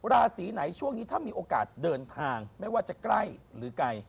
ราศีไหนช่วงนี้ถ้ามีโอกาสเดินทางไม่ว่าจะใกล้หรือไกล